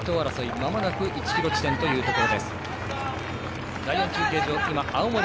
まもなく１ｋｍ地点というところ。